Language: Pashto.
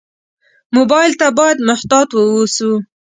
موبایل ته باید محتاط ووسو.